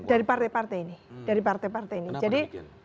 dari partai partai ini